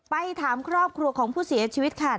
ไปถามครอบครัวของผู้เสียชีวิตค่ะ